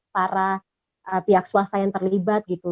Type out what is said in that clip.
para pihak swasta yang terlibat gitu